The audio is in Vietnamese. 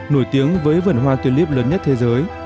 nổi tiếng với vườn hoa tulip lớn nhất thế giới